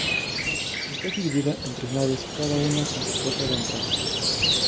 Está dividida en tres naves, cada una con su puerta de entrada.